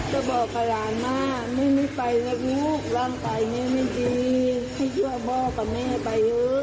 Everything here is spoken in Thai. ก็บอกกับหลานว่าแม่ไม่ไปนะลูกร่างกายแม่ไม่ดีให้ช่วยพ่อกับแม่ไปเถอะ